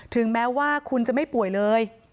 ถึงแม้ว่าคุณจะไม่ป่วยเลย